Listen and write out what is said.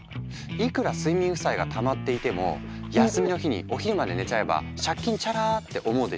「いくら睡眠負債がたまっていても休みの日にお昼まで寝ちゃえば借金チャラ」って思うでしょ？